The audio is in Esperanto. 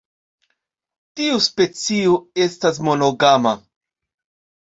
Tiu specio estas monogama.